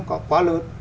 nó có quá lớn